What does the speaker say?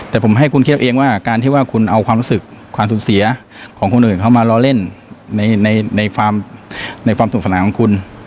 แต่ผมให้คุณคิดเองว่าการที่ว่าคุณเอาความรู้สึกความสูญเสียของคนอื่นเข้ามาล้อเล่นในความสุขสนาของคุณ